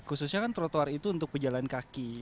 khususnya kan trotoar itu untuk pejalan kaki